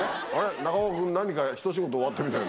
中岡君、何か一仕事終わったみたいな。